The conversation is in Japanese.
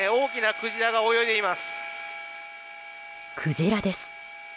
クジラです。